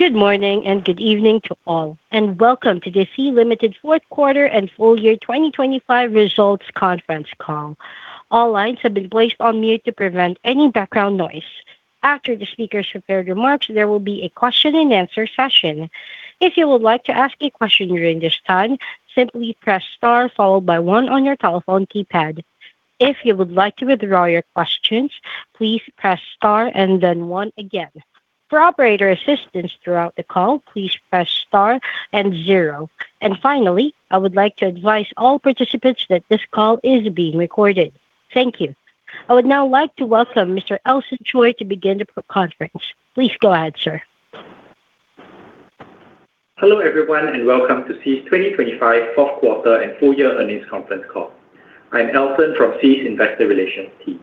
Good morning and good evening to all, welcome to the Sea Limited fourth quarter and full year 2025 results conference call. All lines have been placed on mute to prevent any background noise. After the speakers prepared remarks, there will be a question and answer session. If you would like to ask a question during this time, simply press star followed by one on your telephone keypad. If you would like to withdraw your questions, please press star and then one again. For operator assistance throughout the call, please press star and zero. Finally, I would like to advise all participants that this call is being recorded. Thank you. I would now like to welcome Mr. Elson Choi to begin the conference. Please go ahead, sir. Hello everyone, welcome to Sea's 2025 fourth quarter and full year earnings conference call. I'm Elson from Sea's Investor Relations team.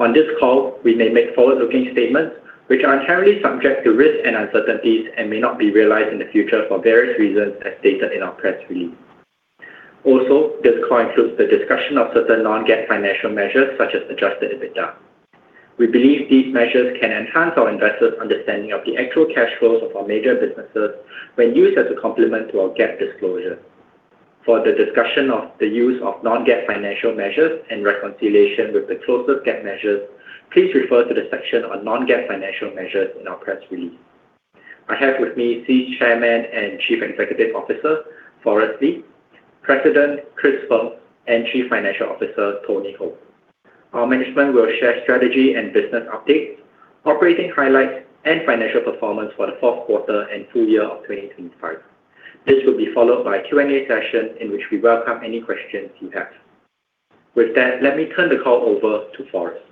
On this call, we may make forward-looking statements which are inherently subject to risks and uncertainties and may not be realized in the future for various reasons, as stated in our press release. This call includes the discussion of certain non-GAAP financial measures such as Adjusted EBITDA. We believe these measures can enhance our investors' understanding of the actual cash flows of our major businesses when used as a complement to our GAAP disclosure. For the discussion of the use of non-GAAP financial measures and reconciliation with the closest GAAP measures, please refer to the section on non-GAAP financial measures in our press release. I have with me Sea Chairman and Chief Executive Officer, Forrest Li, President Chris Feng, and Chief Financial Officer Tony Hou. Our management will share strategy and business updates, operating highlights, and financial performance for the fourth quarter and full year of 2025. This will be followed by a Q&A session in which we welcome any questions you have. With that, let me turn the call over to Forrest.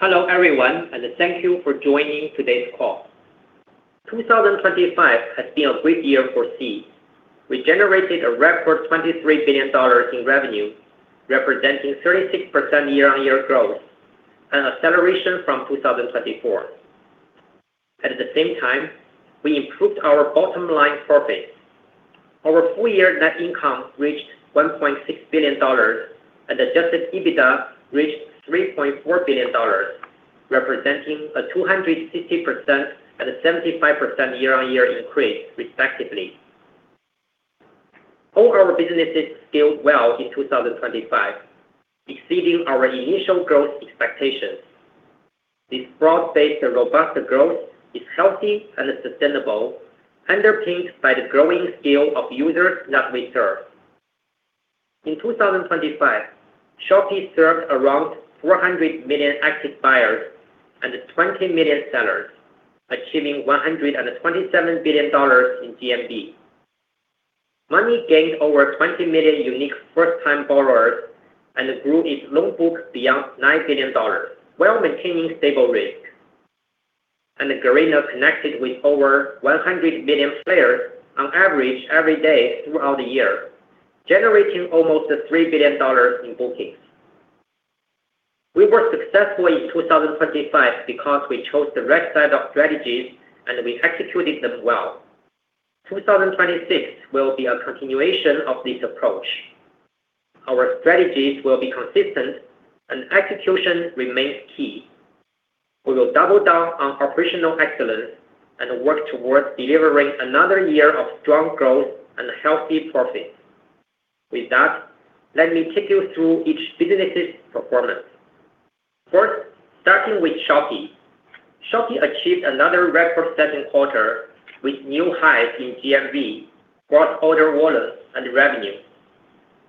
Hello everyone, thank you for joining today's call. 2025 has been a great year for Sea. We generated a record $23 billion in revenue, representing 36% year-on-year growth and acceleration from 2024. At the same time, we improved our bottom line profits. Our full year net income reached $1.6 billion and Adjusted EBITDA reached $3.4 billion, representing a 260% and a 75% year-on-year increase, respectively. All our businesses scaled well in 2025, exceeding our initial growth expectations. This broad-based and robust growth is healthy and sustainable, underpinned by the growing scale of users that we serve. In 2025, Shopee served around 400 million active buyers and 20 million sellers, achieving $127 billion in GMV. Monee gained over 20 million unique first-time borrowers and grew its loan book beyond $9 billion, while maintaining stable risk. Garena connected with over 100 million players on average every day throughout the year, generating almost $3 billion in bookings. We were successful in 2025 because we chose the right set of strategies and we executed them well. 2026 will be a continuation of this approach. Our strategies will be consistent and execution remains key. We will double down on operational excellence and work towards delivering another year of strong growth and healthy profits. With that, let me take you through each business's performance. First, starting with Shopee. Shopee achieved another record-setting quarter with new highs in GMV, gross order value and revenue.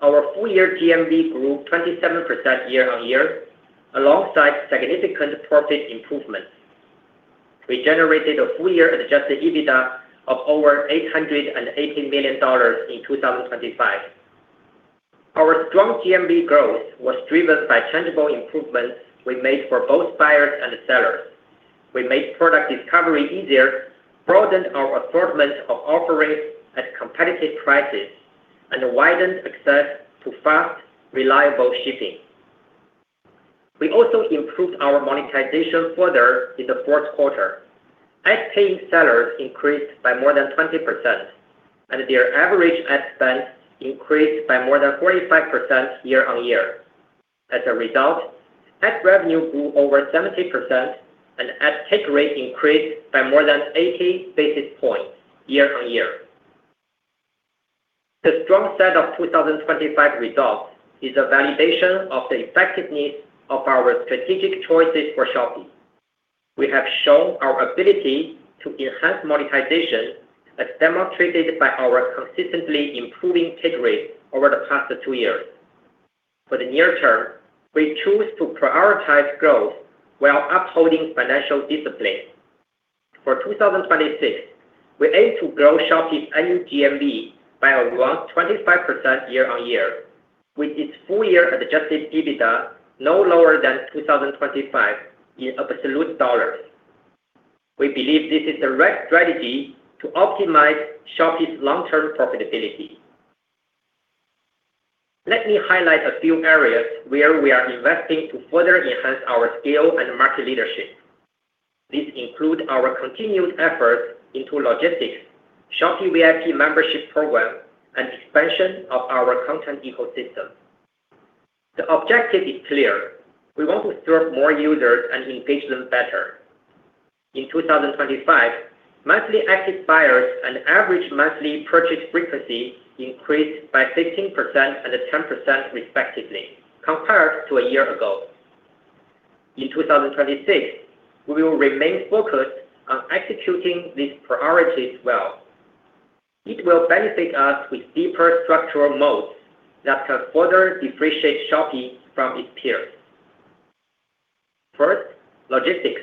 Our full year GMV grew 27% year-on-year alongside significant profit improvements. We generated a full year Adjusted EBITDA of over $880 million in 2025. Our strong GMV growth was driven by tangible improvements we made for both buyers and sellers. We made product discovery easier, broadened our assortment of offerings at competitive prices, and widened access to fast, reliable shipping. We also improved our monetization further in the fourth quarter. Ad-paying sellers increased by more than 20%, and their average ad spend increased by more than 45% year-on-year. As a result, ad revenue grew over 70% and ad take rate increased by more than 80 basis points year-on-year. The strong set of 2025 results is a validation of the effectiveness of our strategic choices for Shopee. We have shown our ability to enhance monetization, as demonstrated by our consistently improving take rate over the past two years. For the near term, we choose to prioritize growth while upholding financial discipline. For 2026, we aim to grow Shopee's annual GMV by around 25% year-on-year, with its full year Adjusted EBITDA no lower than 2025 in absolute dollars. We believe this is the right strategy to optimize Shopee's long-term profitability. Let me highlight a few areas where we are investing to further enhance our scale and market leadership. These include our continued efforts into logistics, Shopee VIP membership program, and expansion of our content ecosystem. The objective is clear. We want to serve more users and engage them better. In 2025, monthly active buyers and average monthly purchase frequency increased by 15% and 10% respectively compared to a year ago. In 2026, we will remain focused on executing these priorities well. It will benefit us with deeper structural modes that can further differentiate Shopee from its peers. Logistics.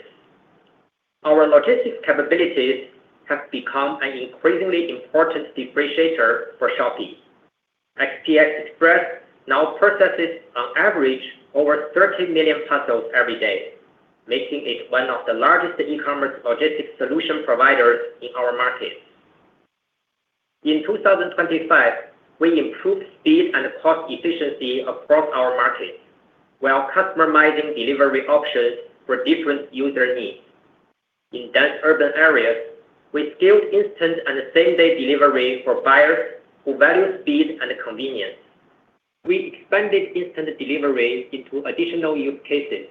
Our logistics capabilities have become an increasingly important differentiator for Shopee. SPX Express now processes on average over 30 million parcels every day, making it one of the largest e-commerce logistics solution providers in our market. In 2025, we improved speed and cost efficiency across our markets while customizing delivery options for different user needs. In dense urban areas, we scaled instant and same-day delivery for buyers who value speed and convenience. We expanded instant delivery into additional use cases,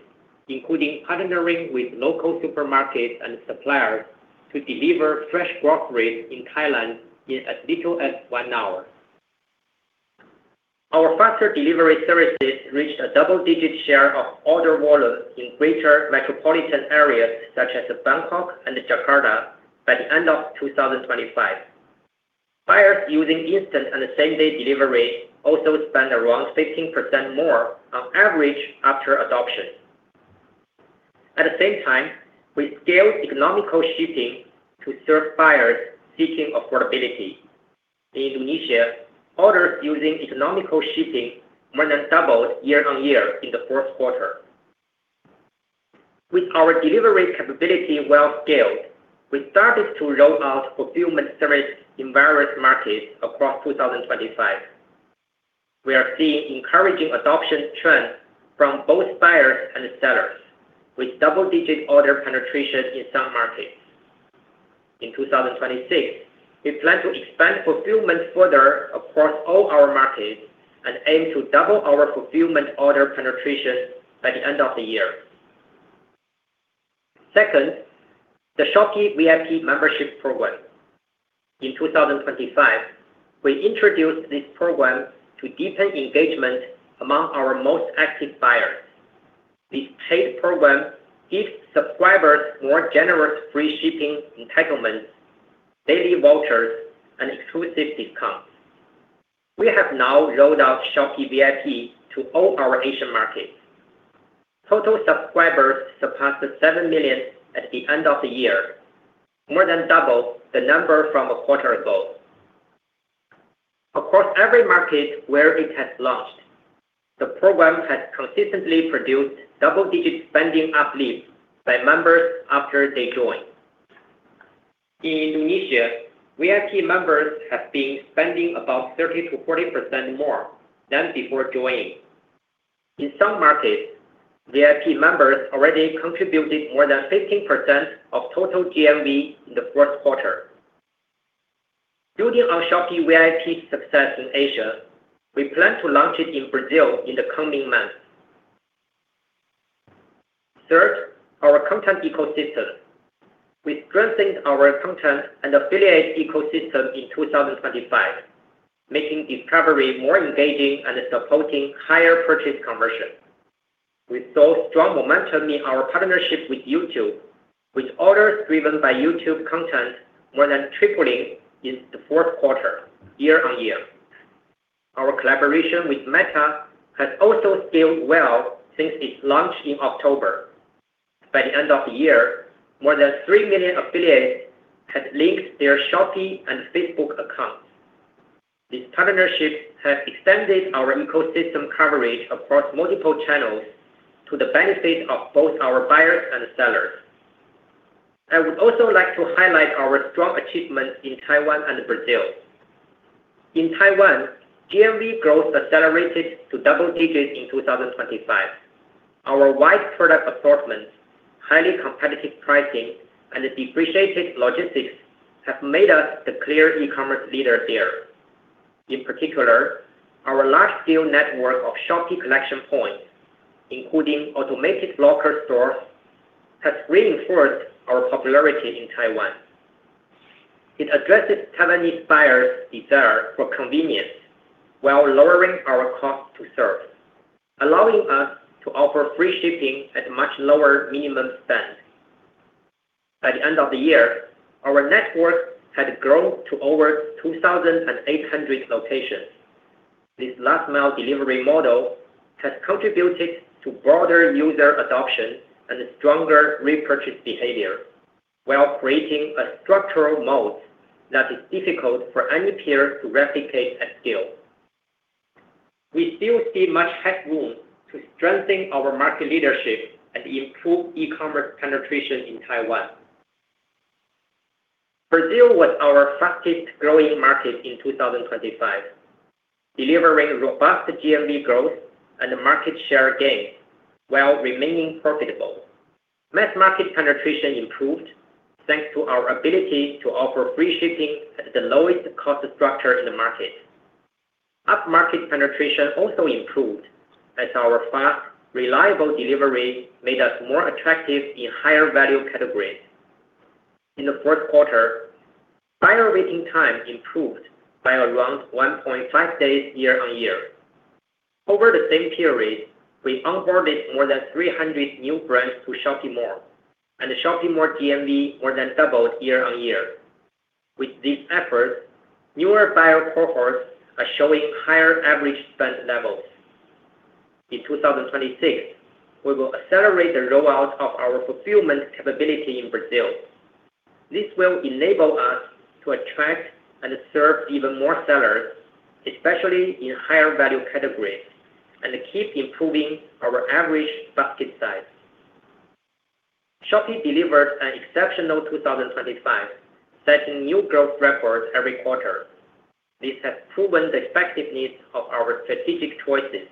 including partnering with local supermarkets and suppliers to deliver fresh groceries in Thailand in as little as 1 hour. Our faster delivery services reached a double-digit share of order volumes in greater metropolitan areas such as Bangkok and Jakarta by the end of 2025. Buyers using instant and same-day delivery also spend around 15% more on average after adoption. We scaled economical shipping to serve buyers seeking affordability. In Indonesia, orders using economical shipping more than doubled year-over-year in the fourth quarter. With our delivery capability well-scaled, we started to roll out fulfillment service in various markets across 2025. We are seeing encouraging adoption trends from both buyers and sellers, with double-digit order penetration in some markets. In 2026, we plan to expand fulfillment further across all our markets and aim to double our fulfillment order penetration by the end of the year. Second, the Shopee VIP membership program. In 2025, we introduced this program to deepen engagement among our most active buyers. This paid program gives subscribers more generous free shipping entitlements, daily vouchers, and exclusive discounts. We have now rolled out Shopee VIP to all our Asian markets. Total subscribers surpassed 7 million at the end of the year, more than double the number from a quarter ago. Across every market where it has launched, the program has consistently produced double-digit spending uplift by members after they join. In Indonesia, VIP members have been spending about 30%-40% more than before joining. In some markets, VIP members already contributed more than 15% of total GMV in the Q4. Building on Shopee VIP success in Asia, we plan to launch it in Brazil in the coming months. Third, our content ecosystem. We strengthened our content and affiliate ecosystem in 2025, making discovery more engaging and supporting higher purchase conversion. We saw strong momentum in our partnership with YouTube, with orders driven by YouTube content more than tripling in the fourth quarter year-on-year. Our collaboration with Meta has also scaled well since its launch in October. By the end of the year, more than 3 million affiliates had linked their Shopee and Facebook accounts. These partnerships have extended our ecosystem coverage across multiple channels to the benefit of both our buyers and sellers. I would also like to highlight our strong achievements in Taiwan and Brazil. In Taiwan, GMV growth accelerated to double digits in 2025. Our wide product assortments, highly competitive pricing, and differentiated logistics have made us the clear e-commerce leader there. In particular, our large-scale network of Shopee collection points, including automated locker stores, has reinforced our popularity in Taiwan. It addresses Taiwanese buyers' desire for convenience while lowering our cost to serve, allowing us to offer free shipping at much lower minimum spend. By the end of the year, our network had grown to over 2,800 locations. This last-mile delivery model has contributed to broader user adoption and stronger repurchase behavior while creating a structural moat that is difficult for any peer to replicate at scale. We still see much headroom to strengthen our market leadership and improve e-commerce penetration in Taiwan. Brazil was our fastest-growing market in 2025, delivering robust GMV growth and market share gains while remaining profitable. Mass market penetration improved thanks to our ability to offer free shipping at the lowest cost structure in the market. Upmarket penetration also improved as our fast, reliable delivery made us more attractive in higher value categories. In the fourth quarter, final waiting time improved by around 1.5 days year-on-year. Over the same period, we onboarded more than 300 new brands to Shopee Mall, and Shopee Mall GMV more than doubled year-on-year. With this effort, newer buyer cohorts are showing higher average spend levels. In 2026, we will accelerate the rollout of our fulfillment capability in Brazil. This will enable us to attract and serve even more sellers, especially in higher value categories, and keep improving our average basket size. Shopee delivered an exceptional 2025, setting new growth records every quarter. This has proven the effectiveness of our strategic choices.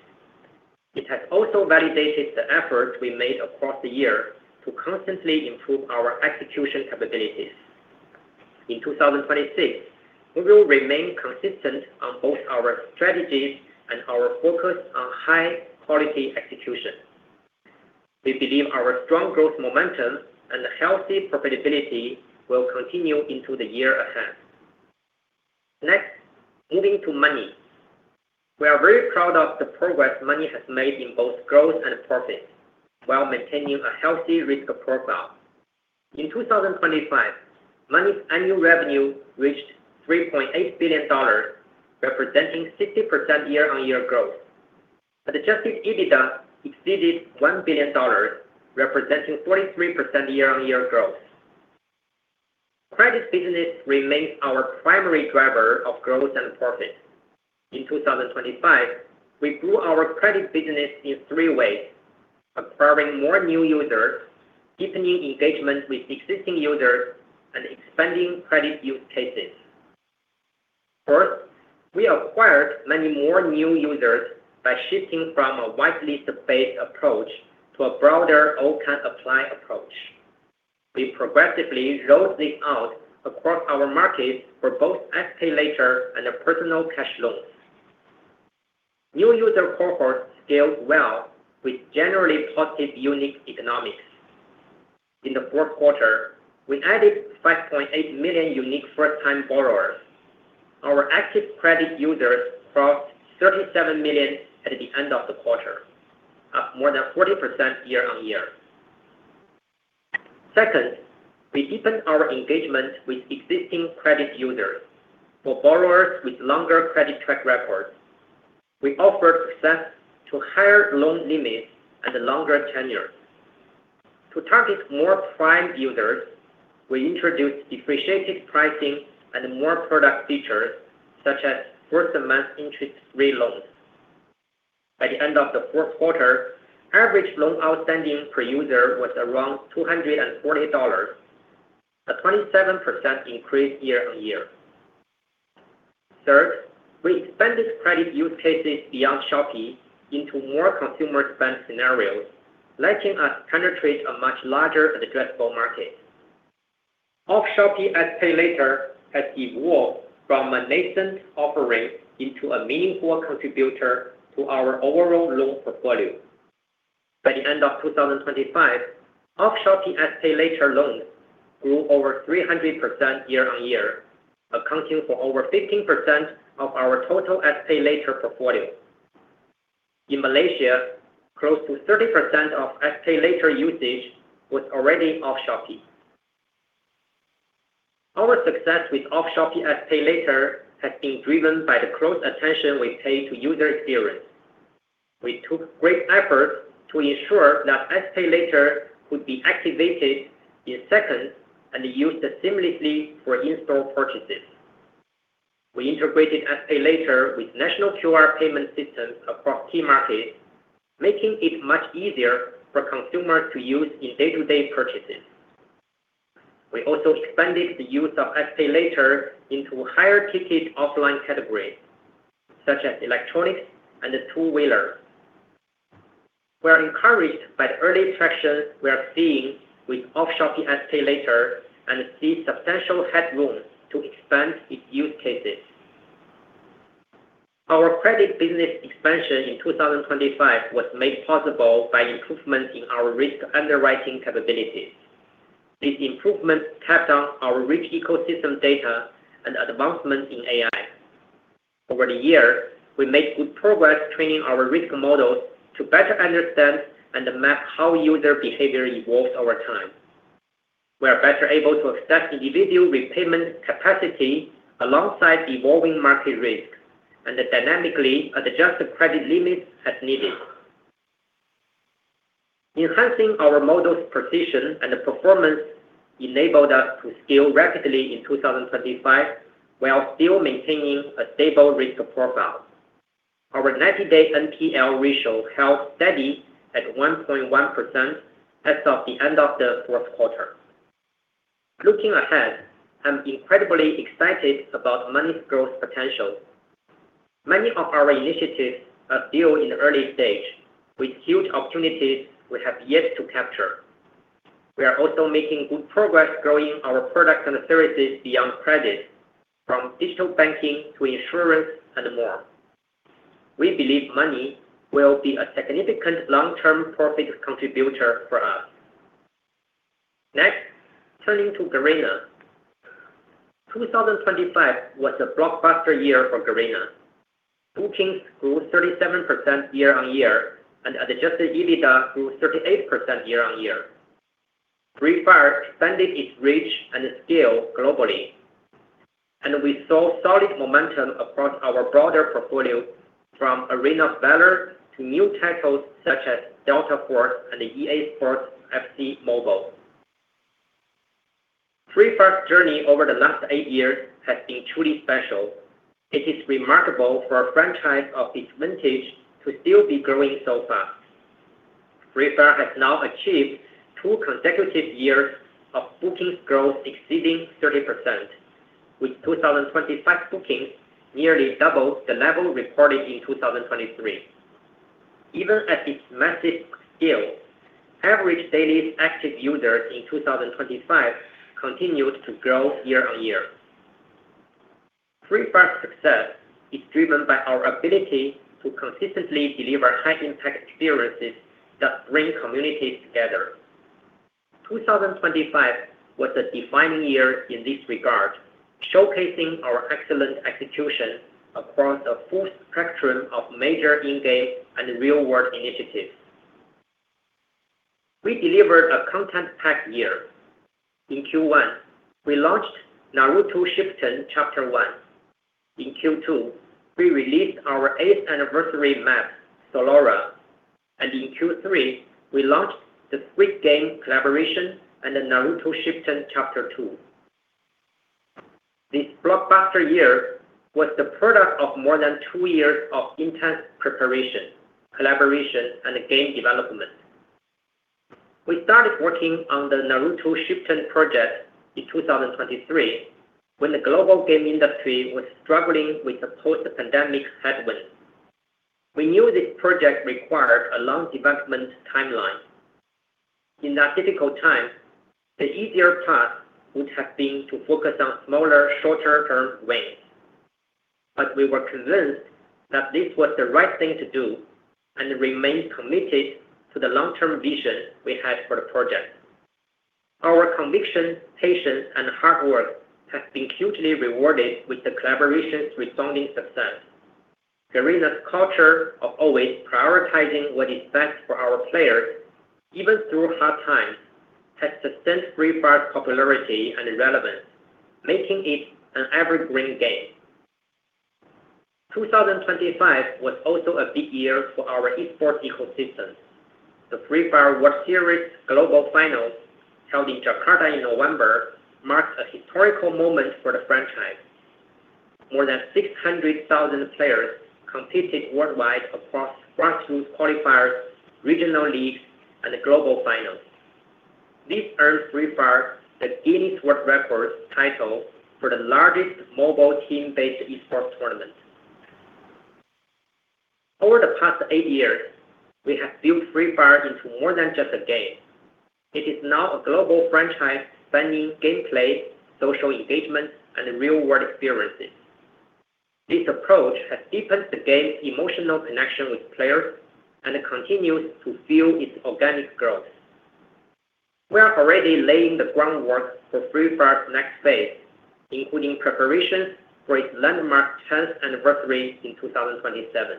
It has also validated the effort we made across the year to constantly improve our execution capabilities. In 2026, we will remain consistent on both our strategies and our focus on high-quality execution. We believe our strong growth momentum and healthy profitability will continue into the year ahead. Next, moving to Monee. We are very proud of the progress Monee has made in both growth and profit while maintaining a healthy risk profile. In 2025, Monee's annual revenue reached $3.8 billion, representing 60% year-on-year growth. Adjusted EBITDA exceeded $1 billion, representing 43% year-on-year growth. Credit business remains our primary driver of growth and profit. In 2025, we grew our credit business in three ways: acquiring more new users, deepening engagement with existing users, and expanding credit use cases. First, we acquired many more new users by shifting from a whitelist-based approach to a broader all-can-apply approach. We progressively rolled this out across our markets for both SPayLater and personal cash loans. New user cohorts scaled well with generally positive unit economics. In the fourth quarter, we added 5.8 million unique first-time borrowers. Our active credit users crossed 37 million at the end of the quarter, up more than 40% year-on-year. Second, we deepened our engagement with existing credit users. For borrowers with longer credit track records, we offered success to higher loan limits and longer tenure. To target more prime users, we introduced differentiated pricing and more product features, such as first-month interest-free loans. By the end of the fourth quarter, average loan outstanding per user was around $240, a 27% increase year-on-year. Third, we expanded credit use cases beyond Shopee into more consumer spend scenarios, letting us penetrate a much larger addressable market. Off-Shopee SP Later has evolved from a nascent offering into a meaningful contributor to our overall loan portfolio. By the end of 2025, off-Shopee SPayLater loans grew over 300% year-on-year, accounting for over 15% of our total SPayLater portfolio. In Malaysia, close to 30% of SPayLater usage was already off Shopee. Our success with off-Shopee SPayLater has been driven by the close attention we pay to user experience. We took great effort to ensure that SPayLater could be activated in seconds and used seamlessly for in-store purchases. We integrated SPayLater with national QR payment systems across key markets, making it much easier for consumers to use in day-to-day purchases. We also expanded the use of SPayLater into higher-ticket offline categories, such as electronics and two-wheeler. We are encouraged by the early traction we are seeing with off-Shopee SPayLater and see substantial headroom to expand its use cases. Our credit business expansion in 2025 was made possible by improvements in our risk underwriting capabilities. These improvements tapped on our rich ecosystem data and advancements in AI. Over the year, we made good progress training our risk models to better understand and map how user behavior evolves over time. We are better able to assess individual repayment capacity alongside evolving market risk and dynamically adjust the credit limits as needed. Enhancing our model's precision and performance enabled us to scale rapidly in 2025 while still maintaining a stable risk profile. Our 90-day NPL ratio held steady at 1.1% as of the end of the fourth quarter. Looking ahead, I'm incredibly excited about Monee's growth potential. Many of our initiatives are still in early stage with huge opportunities we have yet to capture. We are also making good progress growing our products and services beyond credit, from digital banking to insurance and more. We believe Monee will be a significant long-term profit contributor for us. Next, turning to Garena. 2025 was a blockbuster year for Garena. Bookings grew 37% year-on-year, and Adjusted EBITDA grew 38% year-on-year. Free Fire expanded its reach and scale globally, and we saw solid momentum across our broader portfolio from Arena of Valor to new titles such as Delta Force and EA Sports FC Mobile. Free Fire's journey over the last eight years has been truly special. It is remarkable for a franchise of this vintage to still be growing so fast. Free Fire has now achieved two consecutive years of bookings growth exceeding 30%, with 2025 bookings nearly double the level reported in 2023. Even at its massive scale, average daily active users in 2025 continued to grow year-on-year. Free Fire's success is driven by our ability to consistently deliver high-impact experiences that bring communities together. 2025 was a defining year in this regard, showcasing our excellent execution across a full spectrum of major in-game and real-world initiatives. We delivered a content-packed year. In Q1, we launched Naruto Shippuden Chapter 1. In Q2, we released our eighth anniversary map, Solara. In Q3, we launched the Squid Game collaboration and the Naruto Shippuden Chapter 2. This blockbuster year was the product of more than two years of intense preparation, collaboration, and game development. We started working on the Naruto Shippuden project in 2023 when the global game industry was struggling with the post-pandemic headwind. We knew this project required a long development timeline. In that difficult time, the easier path would have been to focus on smaller, shorter-term wins. We were convinced that this was the right thing to do and remained committed to the long-term vision we had for the project. Our conviction, patience, and hard work has been hugely rewarded with the collaboration's resounding success. Garena's culture of always prioritizing what is best for our players, even through hard times, has sustained Free Fire's popularity and relevance, making it an evergreen game. 2025 was also a big year for our esports ecosystem. The Free Fire World Series Global Finals, held in Jakarta in November, marked a historical moment for the franchise. More than 600,000 players competed worldwide across grassroots qualifiers, regional leagues, and global finals. This earned Free Fire the Guinness World Records title for the largest mobile team-based esports tournament. Over the past eight years, we have built Free Fire into more than just a game. It is now a global franchise spanning gameplay, social engagement, and real-world experiences. This approach has deepened the game's emotional connection with players and continues to fuel its organic growth. We are already laying the groundwork for Free Fire's next phase, including preparation for its landmark 10th anniversary in 2027.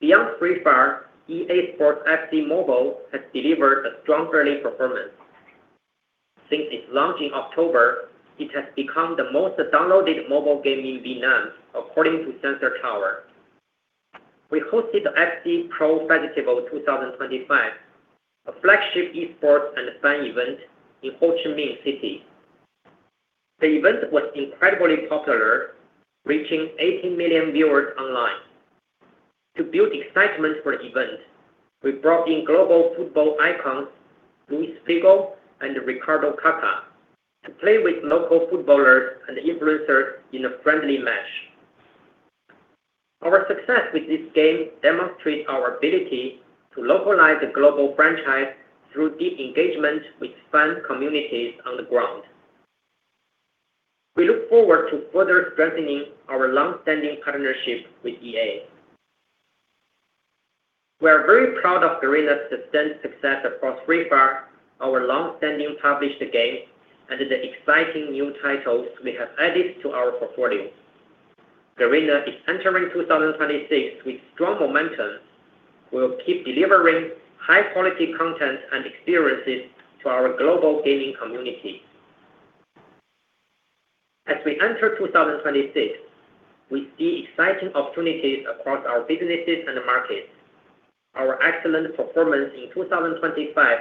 Beyond Free Fire, EA Sports FC Mobile has delivered a strong early performance. Since its launch in October, it has become the most downloaded mobile game in Vietnam, according to Sensor Tower. We hosted the FC Pro Festival 2025, a flagship esports and fan event in Ho Chi Minh City. The event was incredibly popular, reaching 80 million viewers online. To build excitement for the event, we brought in global football icons Luís Figo and Ricardo Kaká to play with local footballers and influencers in a friendly match. Our success with this game demonstrates our ability to localize a global franchise through deep engagement with fan communities on the ground. We look forward to further strengthening our long-standing partnership with EA. We are very proud of Garena's sustained success across Free Fire, our long-standing published games, and the exciting new titles we have added to our portfolio. Garena is entering 2026 with strong momentum. We will keep delivering high-quality content and experiences to our global gaming community. As we enter 2026, we see exciting opportunities across our businesses and markets. Our excellent performance in 2025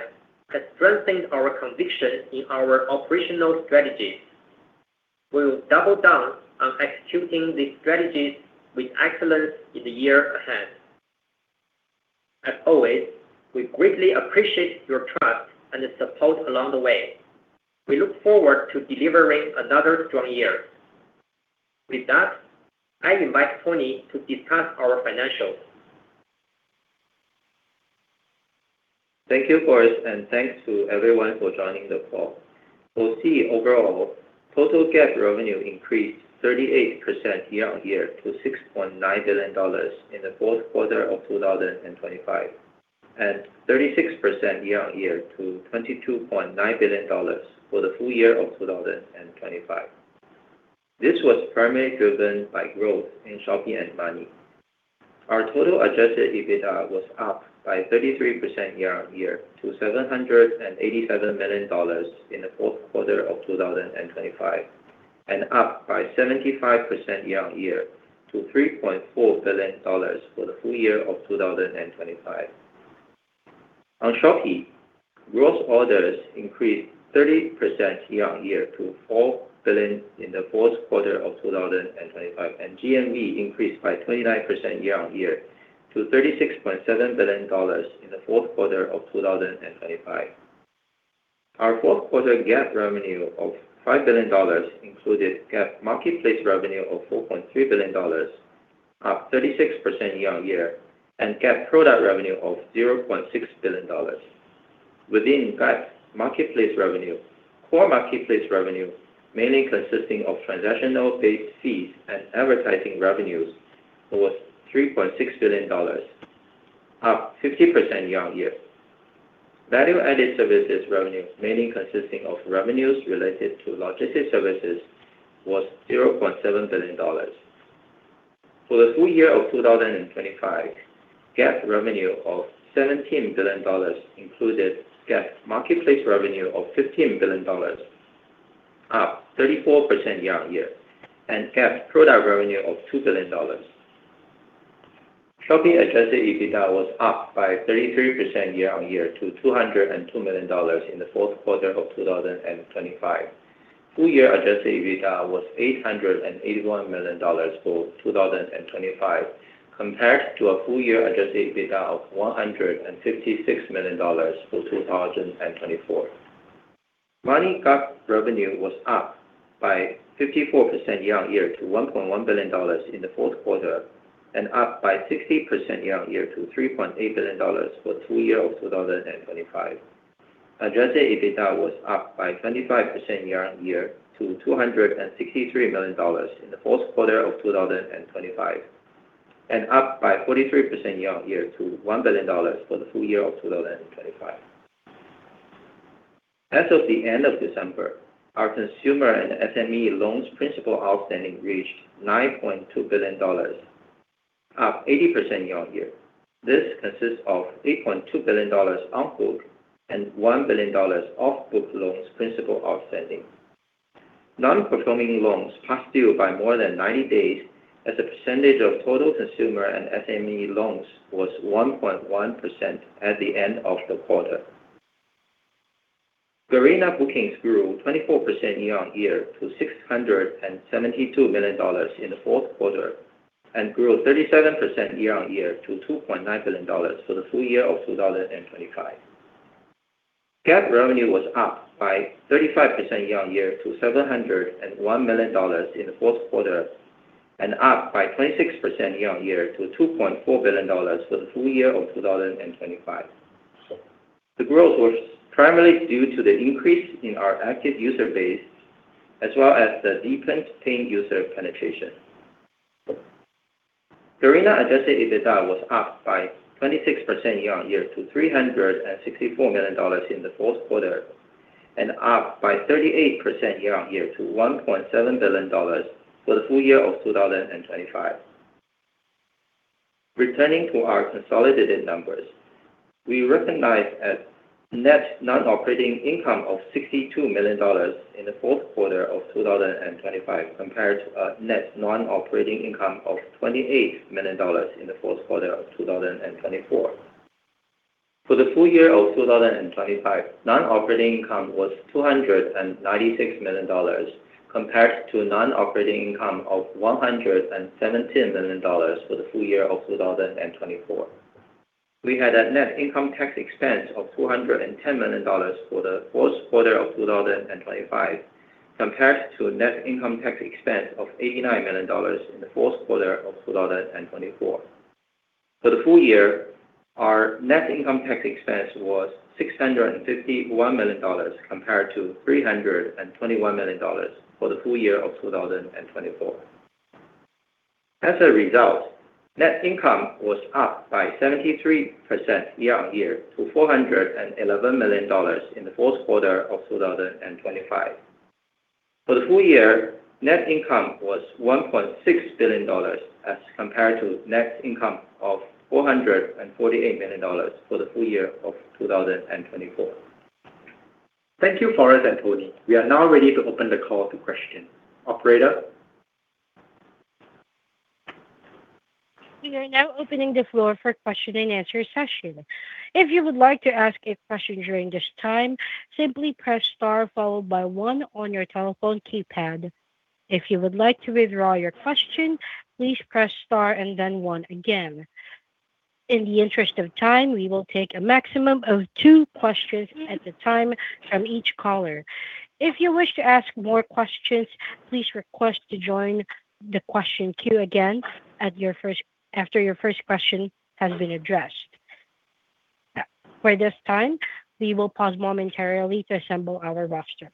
has strengthened our conviction in our operational strategies. We will double down on executing these strategies with excellence in the year ahead. As always, we greatly appreciate your trust and support along the way. We look forward to delivering another strong year. With that, I invite Tony to discuss our financials. Thank you, Forrest. Thanks to everyone for joining the call. We'll see overall total GAAP revenue increased 38% year-on-year to $6.9 billion in the fourth quarter of 2025, and 36% year-on-year to $22.9 billion for the full year of 2025. This was primarily driven by growth in Shopee and Monee. Our total Adjusted EBITDA was up by 33% year-on-year to $787 million in the fourth quarter of 2025, and up by 75% year-on-year to $3.4 billion for the full year of 2025. On Shopee, gross orders increased 30% year-on-year to $4 billion in the fourth quarter of 2025, and GMV increased by 29% year-on-year to $36.7 billion in the fourth quarter of 2025. Our fourth quarter GAAP revenue of $5 billion included GAAP marketplace revenue of $4.3 billion, up 36% year-on-year, and GAAP product revenue of $0.6 billion. Within GAAP marketplace revenue, core marketplace revenue, mainly consisting of transactional-based fees and advertising revenues, was $3.6 billion, up 50% year-on-year. Value-added services revenues, mainly consisting of revenues related to logistic services, was $0.7 billion. For the full year of 2025, GAAP revenue of $17 billion included GAAP marketplace revenue of $15 billion, up 34% year-on-year, and GAAP product revenue of $2 billion. Shopee Adjusted EBITDA was up by 33% year-on-year to $202 million in the fourth quarter of 2025. Full year Adjusted EBITDA was $881 million for 2025 compared to a full year Adjusted EBITDA of $156 million for 2024. Monee GAAP revenue was up by 54% year-on-year to $1.1 billion in the fourth quarter and up by 60% year-on-year to $3.8 billion for two year of 2025. Adjusted EBITDA was up by 25% year-on-year to $263 million in the fourth quarter of 2025 and up by 43% year-on-year to $1 billion for the full year of 2025. As of the end of December, our consumer and SME loans principal outstanding reached $9.2 billion, up 80% year-on-year. This consists of $3.2 billion on-book and $1 billion off-book loans principal outstanding. Non-performing loans past due by more than 90 days as a percentage of total consumer and SME loans was 1.1% at the end of the quarter. Garena bookings grew 24% year-on-year to $672 million in the fourth quarter and grew 37% year-on-year to $2.9 billion for the full year of 2025. GAAP revenue was up by 35% year-on-year to $701 million in the fourth quarter and up by 26% year-on-year to $2.4 billion for the full year of 2025. The growth was primarily due to the increase in our active user base as well as the deepened paying user penetration. Garena Adjusted EBITDA was up by 26% year-on-year to $364 million in the fourth quarter and up by 38% year-on-year to $1.7 billion for the full year of 2025. Returning to our consolidated numbers, we recognize a net non-operating income of $62 million in the fourth quarter of 2025 compared to a net non-operating income of $28 million in the fourth quarter of 2024. For the full year of 2025, non-operating income was $296 million compared to non-operating income of $117 million for the full year of 2024. We had a net income tax expense of $210 million for the fourth quarter of 2025 compared to a net income tax expense of $89 million in the fourth quarter of 2024. For the full year, our net income tax expense was $651 million compared to $321 million for the full year of 2024. Net income was up by 73% year-on-year to $411 million in the fourth quarter of 2025. For the full year, net income was $1.6 billion as compared to net income of $448 million for the full year of 2024. Thank you, Forrest and Tony. We are now ready to open the call to questions. Operator? We are now opening the floor for question-and-answer session. If you would like to ask a question during this time, simply press star followed by one on your telephone keypad. If you would like to withdraw your question, please press star and then one again. In the interest of time, we will take a maximum of two questions at a time from each caller. If you wish to ask more questions, please request to join the question queue again after your first question has been addressed. For this time, we will pause momentarily to assemble our roster.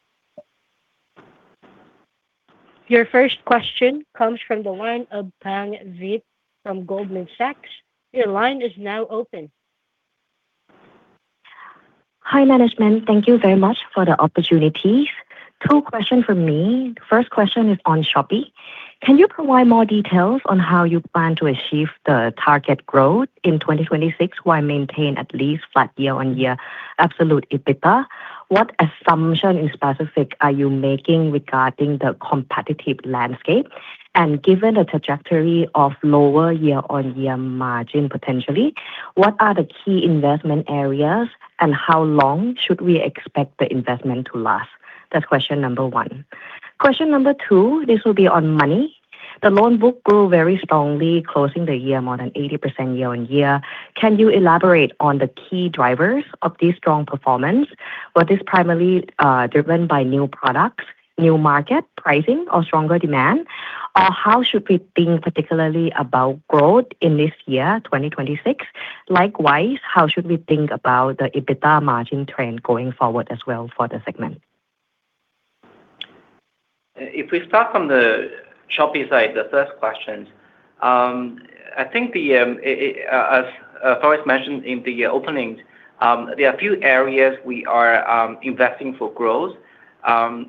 Your first question comes from the line of Pang Vittayaamnuaykoon from Goldman Sachs. Your line is now open. Hi, management. Thank you very much for the opportunity. Two questions from me. First question is on Shopee. Can you provide more details on how you plan to achieve the target growth in 2026 while maintain at least flat year-on-year absolute EBITDA? What assumption in specific are you making regarding the competitive landscape? Given the trajectory of lower year-on-year margin, potentially, what are the key investment areas and how long should we expect the investment to last? That's question number one. Question number two, this will be on Monee. The loan book grew very strongly, closing the year more than 80% year-on-year. Can you elaborate on the key drivers of this strong performance? Was this primarily driven by new products, new market pricing, or stronger demand? How should we think particularly about growth in this year, 2026? Likewise, how should we think about the EBITDA margin trend going forward as well for the segment? If we start from the Shopee side, the first question, I think the as Forrest mentioned in the opening, there are a few areas we are investing for growth.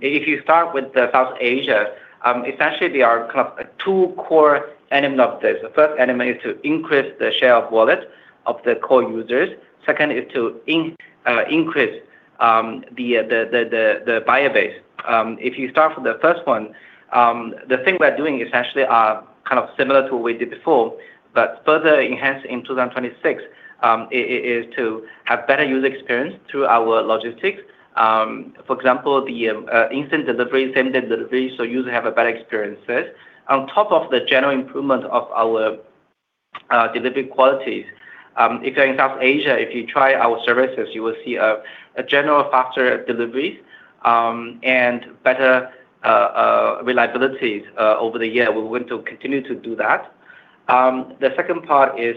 If you start with the South Asia, essentially, there are kind of two core elements of this. The first element is to increase the share of wallet of the core users. Second is to increase the buyer base. If you start from the first one, the thing we're doing essentially are kind of similar to what we did before, but further enhanced in 2026, is to have better user experience through our logistics. For example, the instant delivery, same-day delivery, so users have a better experiences. On top of the general improvement of our delivery qualities, if you're in South Asia, if you try our services, you will see a general faster delivery and better reliabilities over the year. We're going to continue to do that. The second part is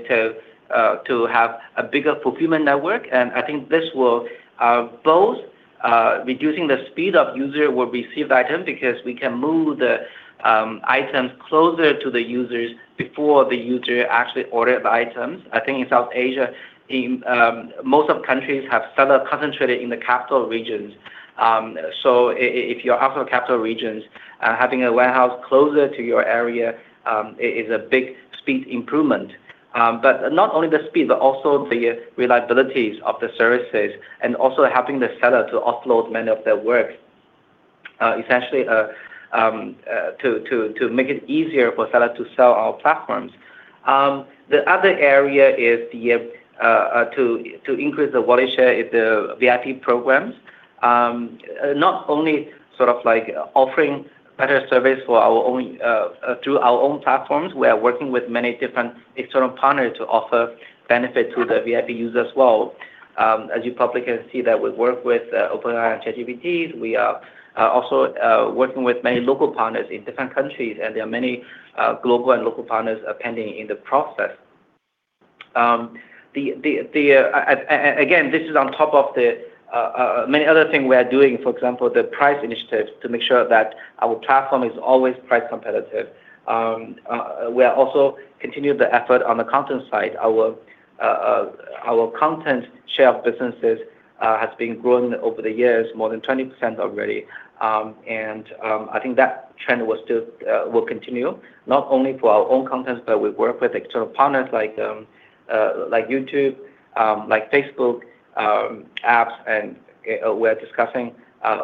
to have a bigger fulfillment network. I think this will both reducing the speed of user will receive item because we can move the items closer to the users before the user actually order the items. I think in South Asia, in most of countries have seller concentrated in the capital regions. If you're out of capital regions, having a warehouse closer to your area, is a big speed improvement. Not only the speed, but also the reliabilities of the services and also helping the seller to offload many of their work, essentially, to make it easier for seller to sell our platforms. The other area is to increase the wallet share is the VIP programs. Not only sort of like offering better service for our own through our own platforms, we are working with many different external partners to offer benefit to the VIP users as well. As you probably can see that we work with OpenAI and ChatGPT. We are also working with many local partners in different countries, and there are many global and local partners pending in the process. Again, this is on top of the many other things we are doing, for example, the price initiatives to make sure that our platform is always price competitive. We are also continue the effort on the content side. Our content share of businesses has been growing over the years, more than 20% already. I think that trend will still continue, not only for our own content, but we work with external partners like YouTube, like Facebook apps, and we're discussing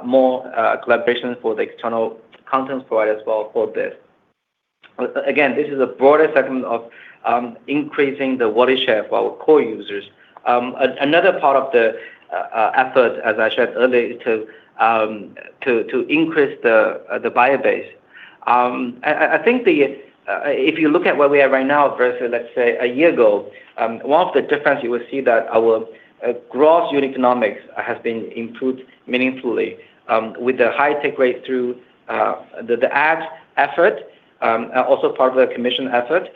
more collaborations for the external content providers as well for this. Again, this is a broader segment of increasing the wallet share for our core users. Another part of the effort, as I shared earlier, to increase the buyer base. I think if you look at where we are right now versus, let's say, a year ago, one of the difference you will see that our gross unit economics has been improved meaningfully with the high take rate through the ad effort, also part of the commission effort.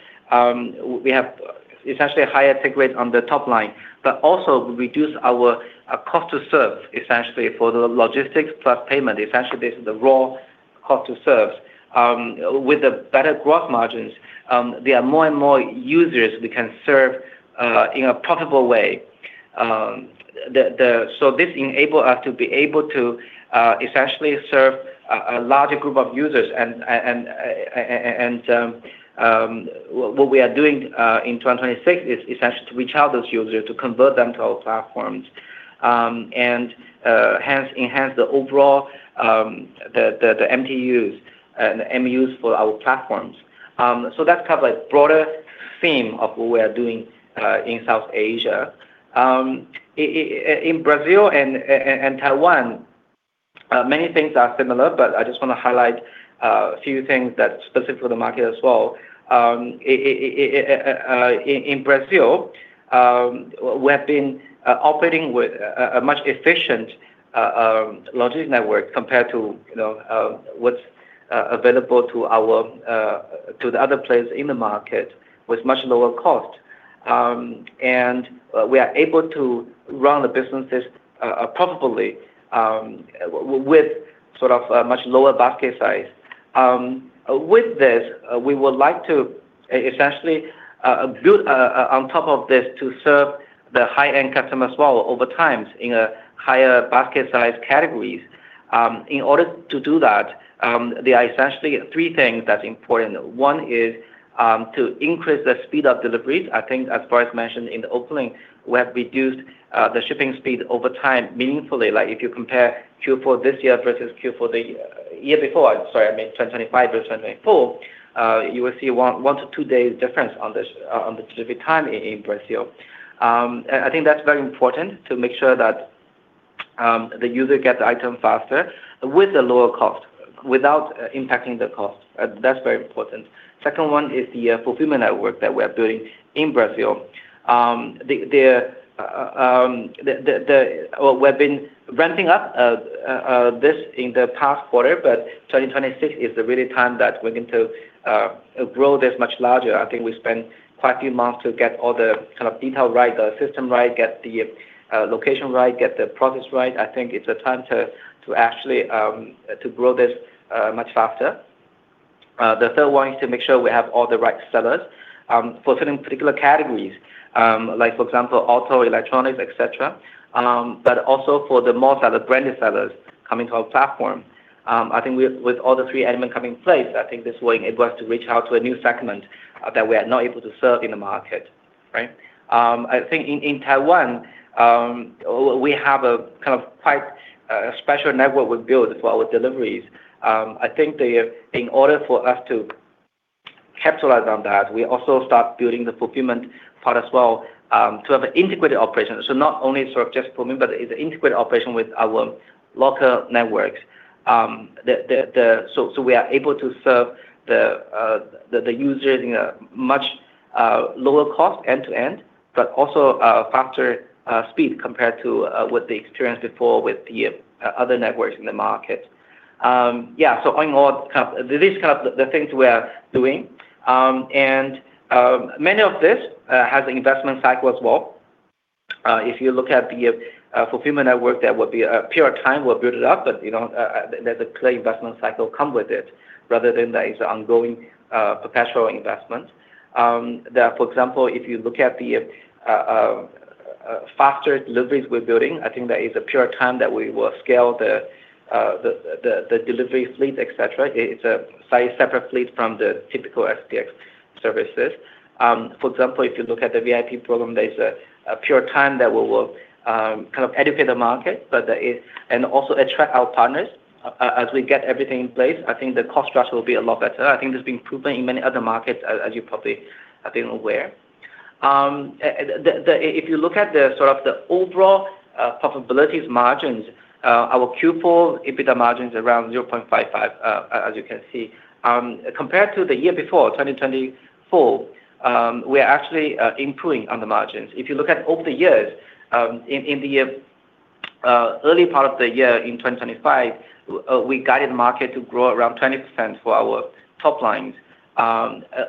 We have essentially a higher take rate on the top line, but also reduce our cost to serve essentially for the logistics plus payment. Essentially, this is the raw cost to serve. With the better growth margins, there are more and more users we can serve in a profitable way. This enable us to be able to essentially serve a larger group of users. What we are doing in 2026 is essentially to reach out those users, to convert them to our platforms, and hence enhance the overall MTUs and the MU for our platforms. That's kind of like broader theme of what we are doing in South Asia. In Brazil and Taiwan, many things are similar, I just wanna highlight a few things that's specific for the market as well. In Brazil, we have been operating with a much efficient logistics network compared to, you know, what's available to our to the other players in the market with much lower cost. We are able to run the businesses profitably with sort of a much lower basket size. With this, we would like to essentially build on top of this to serve the high-end customers well over time in a higher basket size categories. In order to do that, there are essentially three things that's important. One is to increase the speed of deliveries. I think as Forrest mentioned in the opening, we have reduced the shipping speed over time meaningfully. Like, if you compare Q4 this year versus Q4 the year before, sorry, I mean, 2025 versus 2024, you will see one to two days difference on the delivery time in Brazil. I think that's very important to make sure that the user gets the item faster with a lower cost, without impacting the cost. That's very important. Second one is the fulfillment network that we are building in Brazil. Well, we've been ramping up this in the past quarter, but 2026 is the really time that we're going to grow this much larger. I think we spent quite a few months to get all the kind of detail right, the system right, get the location right, get the process right. I think it's a time to actually to grow this much faster. The third one is to make sure we have all the right sellers, for certain particular categories, like for example, auto, electronics, et cetera, but also for the more seller, branded sellers coming to our platform. I think with all the three elements coming in place, I think this will enable us to reach out to a new segment that we are not able to serve in the market, right? I think in Taiwan, we have a kind of quite special network we built for our deliveries. I think the, in order for us to capitalize on that, we also start building the fulfillment part as well, to have an integrated operation. Not only sort of just fulfillment, but it's an integrated operation with our local networks. We are able to serve the users in a much lower cost end-to-end, but also a faster speed compared to what they experienced before with the other networks in the market. Yeah, ongoing kind of these kind of the things we are doing, and many of this has investment cycle as well. If you look at the fulfillment network, there will be a period of time we'll build it up, but, you know, there's a clear investment cycle come with it rather than there is ongoing perpetual investment. For example, if you look at the faster deliveries we're building, I think there is a period of time that we will scale the delivery fleet, et cetera. It's a size separate fleet from the typical SPX services. For example, if you look at the Shopee VIP program, there's a period of time that we will kind of educate the market. Also attract our partners. As we get everything in place, I think the cost structure will be a lot better. I think that's been proven in many other markets as you probably have been aware. If you look at the sort of the overall profitability margins, our Q4 EBITDA margin is around 0.55%, as you can see. Compared to the year before, 2024, we are actually improving on the margins. If you look at over the years, in the early part of the year in 2025, we guided the market to grow around 20% for our top line.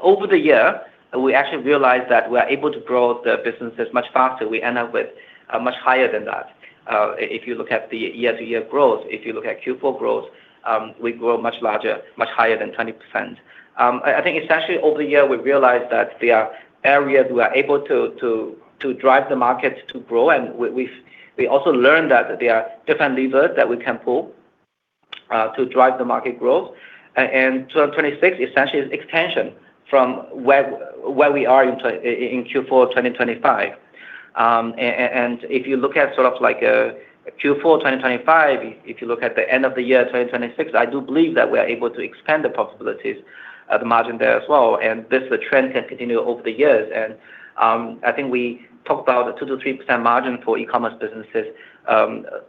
Over the year, we actually realized that we are able to grow the businesses much faster. We end up with much higher than that. If you look at the year-to-year growth, if you look at Q4 growth, we grow much larger, much higher than 20%. I think especially over the year, we realized that there are areas we are able to drive the markets to grow, and we also learned that there are different levers that we can pull to drive the market growth. 2026 essentially is extension from where we are in Q4 2025. If you look at sort of like Q4 2025, if you look at the end of the year 2026, I do believe that we are able to expand the profitability, the margin there as well, and this trend can continue over the years. I think we talked about a 2%-3% margin for e-commerce businesses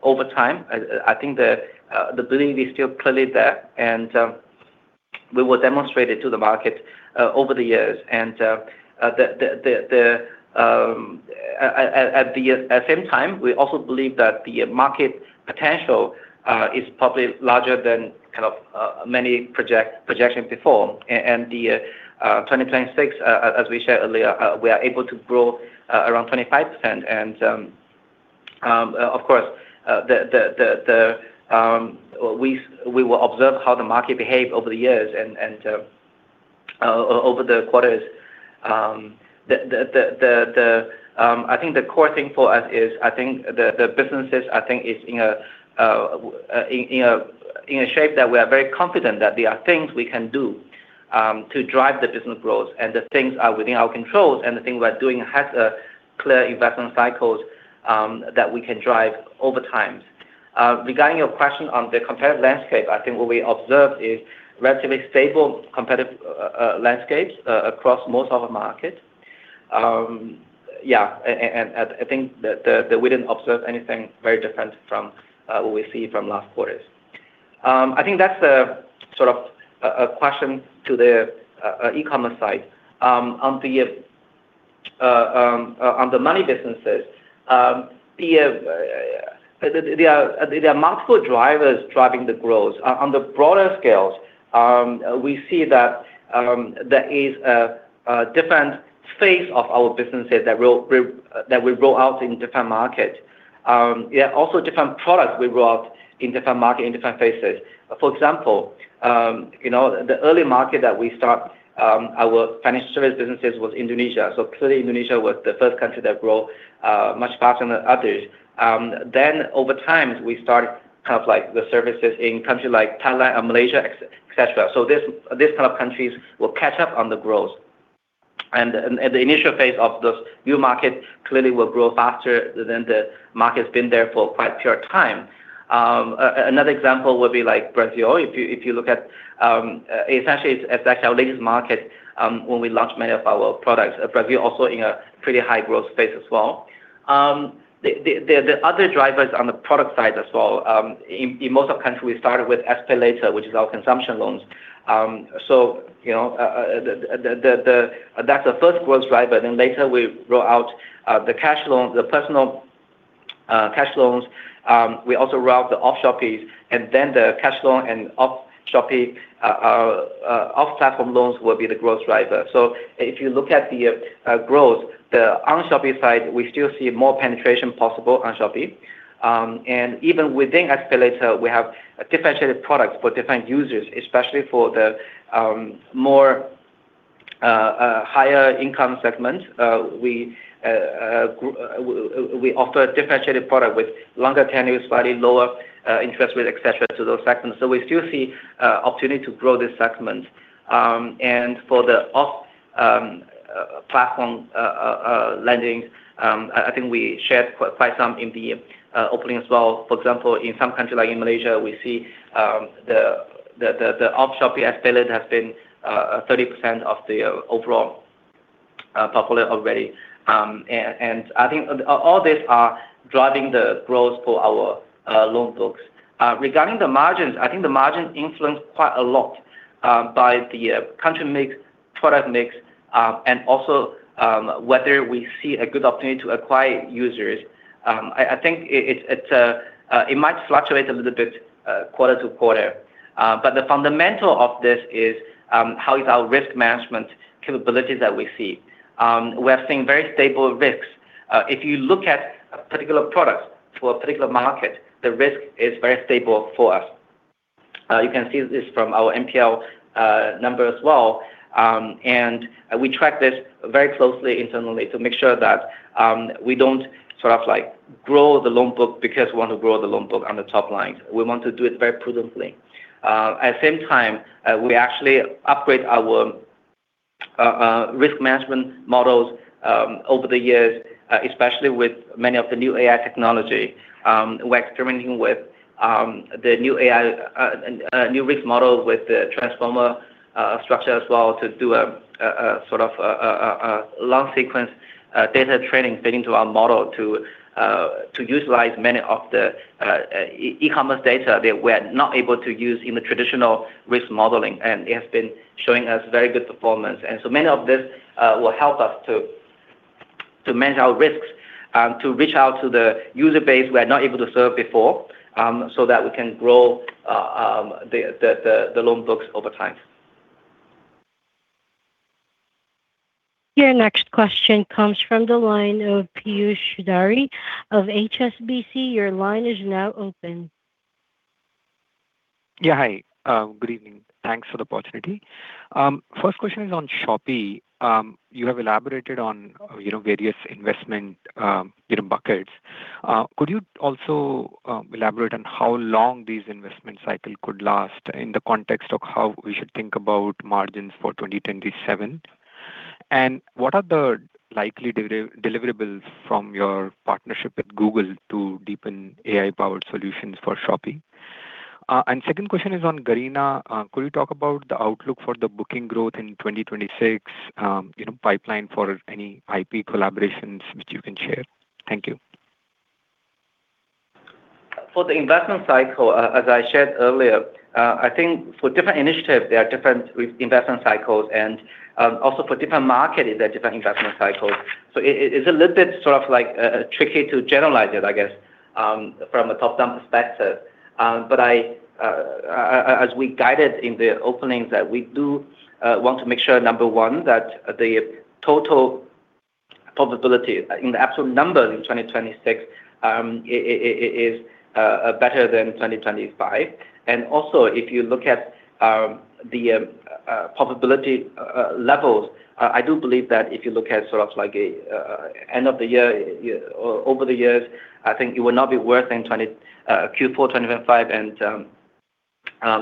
over time. I think the belief is still clearly there, and we will demonstrate it to the market over the years. At the same time, we also believe that the market potential is probably larger than kind of many projections before. The 2026, as we shared earlier, we are able to grow around 25%. Of course, the we will observe how the market behave over the years and over the quarters. The I think the core thing for us is I think the businesses is in a shape that we are very confident that there are things we can do, to drive the business growth, and the things are within our controls, and the things we're doing has a clear investment cycles, that we can drive over time. Regarding your question on the competitive landscape, I think what we observed is relatively stable competitive landscapes across most of the market. Yeah, I think that we didn't observe anything very different from what we see from last quarters. I think that's a sort of a question to the e-commerce side. On the money businesses, There are multiple drivers driving the growth. On the broader scales, we see that there is a different phase of our businesses that will roll out in different market. Yeah, also different products we roll out in different market, in different phases. For example, you know, the early market that we start our financial service businesses was Indonesia. Clearly Indonesia was the first country that grow much faster than others. Over time, we started kind of like the services in countries like Thailand and Malaysia, et cetera. This, these type of countries will catch up on the growth. The initial phase of those new markets clearly will grow faster than the markets been there for quite a period of time. Another example would be like Brazil. If you look at, essentially it's actually our latest market, when we launched many of our products. Brazil also in a pretty high growth phase as well. The other drivers on the product side as well, in most of countries we started with SPayLater, which is our consumption loans. So, you know, that's the first growth driver, then later we roll out the cash loans, the personal cash loans. We also roll out the off-Shopee, and then the cash loan and off-Shopee, off-platform loans will be the growth driver. If you look at the growth, the on-Shopee side, we still see more penetration possible on Shopee. Even within SPayLater, we have differentiated products for different users, especially for the higher income segment. We offer a differentiated product with longer tenures, slightly lower interest rate, et cetera, to those segments. We still see opportunity to grow this segment. For the off-platform lending, I think we shared quite some in the opening as well. For example, in some countries like in Malaysia, we see the off-Shopee SPayLater has been 30% of the overall population already. I think all these are driving the growth for our loan books. Regarding the margins, I think the margin influenced quite a lot by the country mix, product mix, and also whether we see a good opportunity to acquire users. I think it might fluctuate a little bit quarter to quarter. The fundamental of this is how is our risk management capabilities that we see. We are seeing very stable risks. If you look at a particular product for a particular market, the risk is very stable for us. You can see this from our NPL number as well. We track this very closely internally to make sure that we don't sort of like grow the loan book because we want to grow the loan book on the top line. We want to do it very prudently. At the same time, we actually upgrade our risk management models over the years, especially with many of the new AI technology. We're experimenting with the new AI new risk model with the Transformer structure as well to do a sort of a long sequence data training feeding to our model to utilize many of the e-commerce data that we're not able to use in the traditional risk modeling. It has been showing us very good performance. Many of this will help us to manage our risks to reach out to the user base we are not able to serve before, so that we can grow the loan books over time. Your next question comes from the line of Piyush Choudhary of HSBC. Your line is now open. Yeah. Hi. Good evening. Thanks for the opportunity. First question is on Shopee. You have elaborated on, you know, various investment, you know, buckets. Could you also elaborate on how long these investment cycle could last in the context of how we should think about margins for 2027? What are the likely deliverables from your partnership with Google to deepen AI-powered solutions for Shopee? Second question is on Garena. Could you talk about the outlook for the booking growth in 2026, you know, pipeline for any IP collaborations which you can share? Thank you. For the investment cycle, as I shared earlier, I think for different initiatives, there are different investment cycles, and also for different markets, there are different investment cycles. It's a little bit sort of like tricky to generalize it, I guess, from a top-down perspective. I, as we guided in the openings that we do, want to make sure, number one, that the total profitability in the absolute numbers in 2026, is better than 2025. Also, if you look at the profitability levels, I do believe that if you look at sort of like a end of the year or over the years, I think it will not be worse than Q4 2025 and,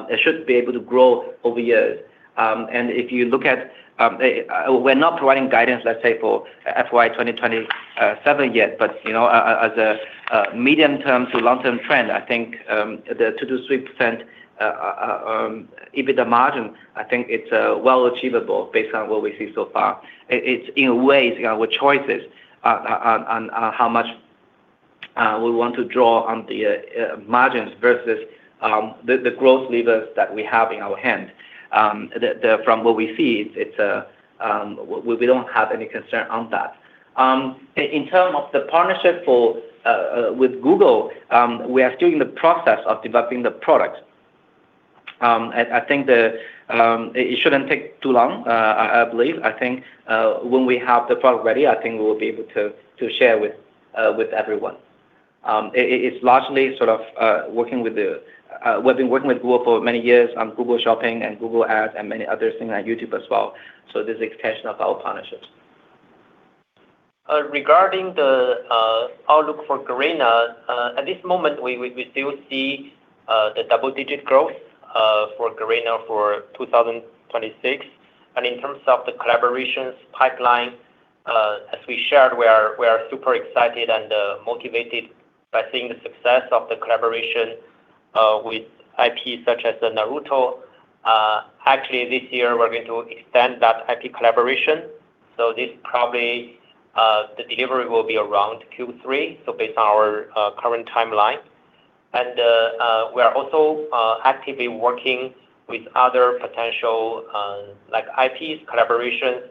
it should be able to grow over years. If you look at the- We're not providing guidance, let's say for FY 2027 yet, but, you know, as a medium term to long-term trend, I think, the 2%-3% EBITDA margin, I think it's well achievable based on what we see so far. It's in ways our choices on how much we want to draw on the margins versus the growth levers that we have in our hand. From what we see, it's we don't have any concern on that. In term of the partnership for with Google, we are still in the process of developing the product. And I think the it shouldn't take too long, I believe. I think, when we have the product ready, I think we'll be able to share with everyone. It's largely sort of working with the, we've been working with Google for many years on Google Shopping and Google Ads and many other things like YouTube as well, so this is extension of our partnerships. Regarding the outlook for Garena, at this moment, we still see the double-digit growth for Garena for 2026. In terms of the collaborations pipeline, as we shared, we are super excited and motivated by seeing the success of the collaboration with IP such as the Naruto. Actually this year we're going to extend that IP collaboration. This probably, the delivery will be around Q3, based on our current timeline. We are also actively working with other potential like IPs collaborations.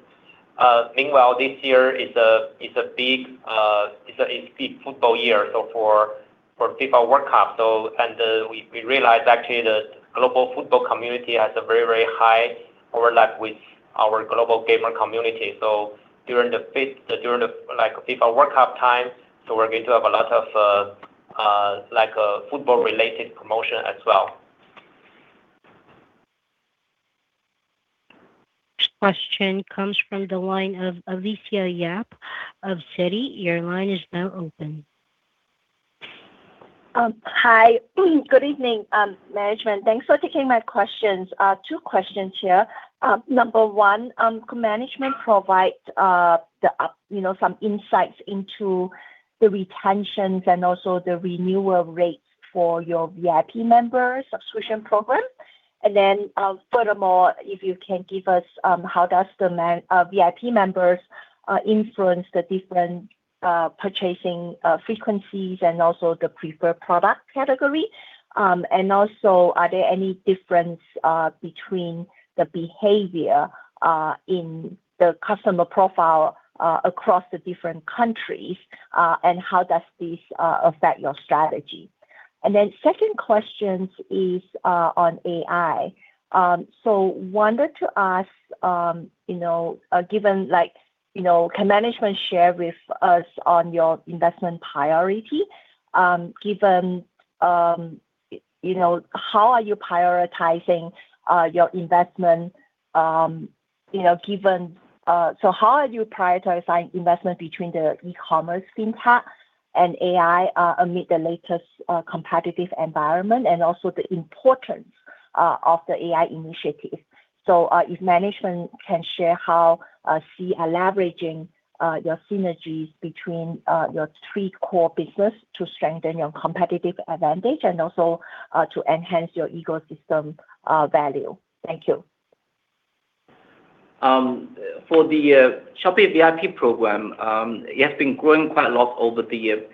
Meanwhile, this year is a big football year for FIFA World Cup. We realized actually the global football community has a very high overlap with our global gamer community. During the like FIFA World Cup time, we're going to have a lot of like a football related promotion as well. Question comes from the line of Alicia Yap of Citi. Your line is now open. Hi. Good evening, management. Thanks for taking my questions. Two questions here. Number one, could management provide, you know, some insights into the retentions and also the renewal rates for your VIP Members subscription program? Furthermore, if you can give us how does the VIP Members influence the different purchasing frequencies and also the preferred product category? And also are there any difference between the behavior in the customer profile across the different countries, and how does this affect your strategy? Second questions is on AI. You know, given like, you know, can management share with us on your investment priority, given, you know, how are you prioritizing your investment, you know, given. How are you prioritizing investment between the e-commerce, FinTech, and AI amid the latest competitive environment and also the importance of the AI initiative? If management can share how Sea is leveraging your synergies between your three core businesses to strengthen your competitive advantage and also to enhance your ecosystem value. Thank you For the Shopee VIP program, it has been growing quite a lot over the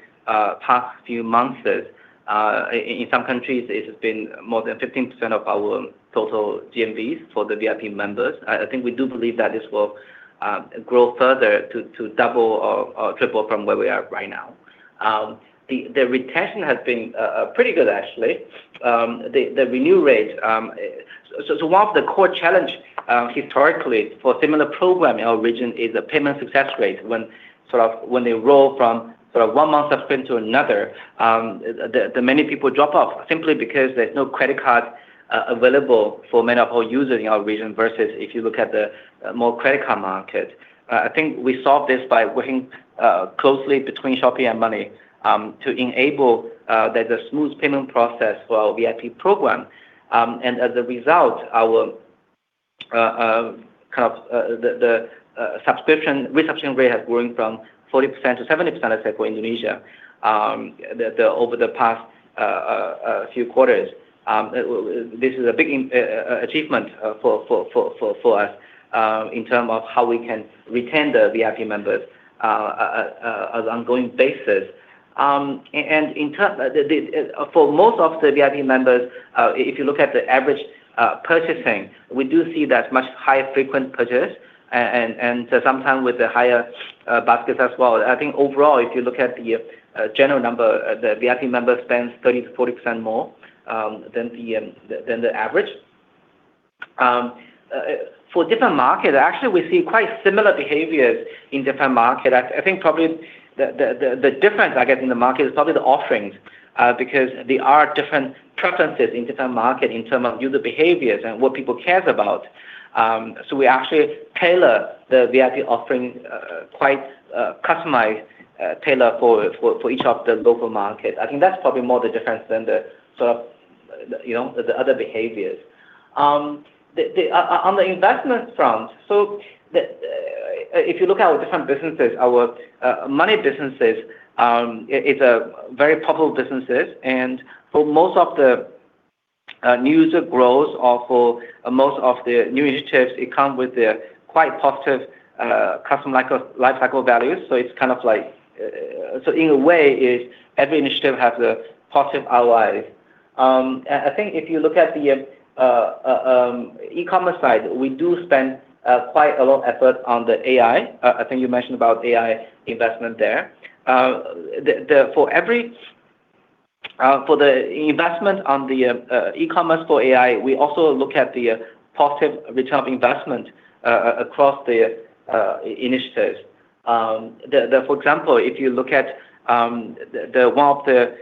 past few months. In some countries it's been more than 15% of our total GMVs for the VIP members. I think we do believe that this will grow further to double or triple from where we are right now. The retention has been pretty good actually. The renew rate. One of the core challenge historically for similar program in our region is the payment success rate when they roll from 1 month subscription to another. Many people drop off simply because there's no credit card available for many of our users in our region versus if you look at the more credit card market. I think we solved this by working closely between Shopee and Monee to enable there's a smooth payment process for our VIP program. As a result, our kind of the subscription retention rate has grown from 40% to 70%, let's say for Indonesia, over the past few quarters. This is a big achievement for us in terms of how we can retain the VIP members as ongoing basis. For most of the VIP members, if you look at the average purchasing, we do see that much higher frequent purchase and so sometime with the higher baskets as well. I think overall, if you look at the general number, the VIP member spends 30%-40% more than the average. For different market, actually, we see quite similar behaviors in different market. I think probably the difference I get in the market is probably the offerings, because there are different preferences in different market in term of user behaviors and what people cares about. We actually tailor the VIP offering, Quite customized, tailored for each of the local market. I think that's probably more the difference than the sort of, you know, the other behaviors. On the investment front. If you look at our different businesses, our money businesses, it's a very powerful businesses. For most of the growth or for most of the new initiatives, it comes with quite positive customer life cycle values. So in a way, every initiative has a positive ROI. I think if you look at the e-commerce side, we do spend quite a lot of effort on AI. I think you mentioned about AI investment there. For every investment on e-commerce for AI, we also look at the positive return of investment across the initiatives. For example, if you look at one of the